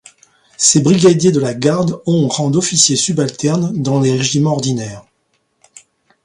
Ces brigadiers de la garde ont rang d'officier subalterne dans les régiments ordinaires.